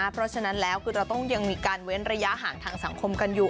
เพราะฉะนั้นแล้วคือเราต้องยังมีการเว้นระยะห่างทางสังคมกันอยู่